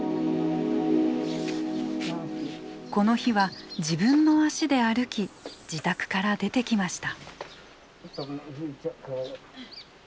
この日は自分の足で歩き自宅から出てきました。